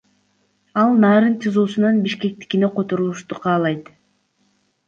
Ал Нарын ТИЗОсунан Бишкектикине которулушту каалайт.